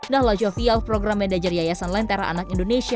nahla jovial program medajer yayasan lentera anak indonesia